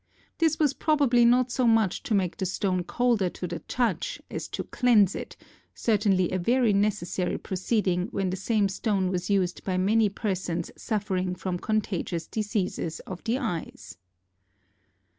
This was probably not so much to make the stone colder to the touch as to cleanse it, certainly a very necessary proceeding when the same stone was used by many persons suffering from contagious diseases of the eyes.